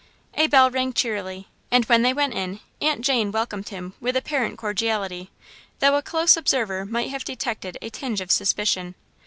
A bell rang cheerily, and, when they went in, Aunt Jane welcomed him with apparent cordiality, though a close observer might have detected a tinge of suspicion.